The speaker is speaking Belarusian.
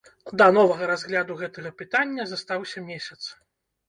Да новага разгляду гэтага пытання застаўся месяц.